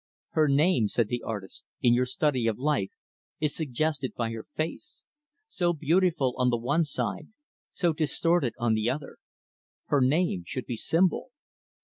"Her name," said the artist, "in your study of life, is suggested by her face so beautiful on the one side so distorted on the other her name should be 'Symbol'."